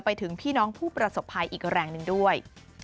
ไปถึงพี่น้องผู้ประสบภัยอีกแรงหนึ่งด้วย